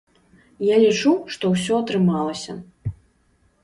Я лічу, што ўсё атрымалася.